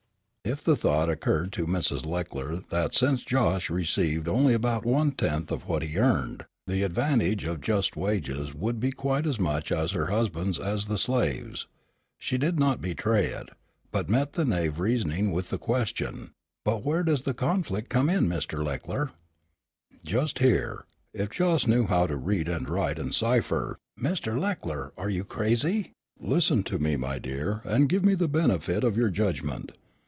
If the thought occurred to Mrs. Leckler that, since Josh received only about one tenth of what he earned, the advantage of just wages would be quite as much her husband's as the slave's, she did not betray it, but met the naïve reasoning with the question, "But where does the conflict come in, Mr. Leckler?" "Just here. If Josh knew how to read and write and cipher " "Mr. Leckler, are you crazy!" "Listen to me, my dear, and give me the benefit of your judgment.